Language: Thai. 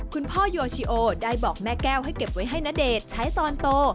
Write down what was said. คุณพ่อโยชิโอได้บอกแม่แก้วให้เก็บไว้ให้ณเดชน์ใช้ตอนโต